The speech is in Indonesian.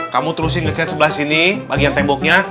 kamu terusin nge chat sebelah sini bagian temboknya